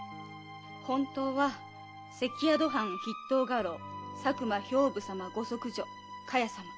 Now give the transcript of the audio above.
本当は関宿藩筆頭家老佐久間兵部様ご息女・かや様。